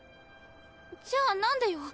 じゃあなんでよ？